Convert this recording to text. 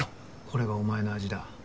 これがお前の味だ。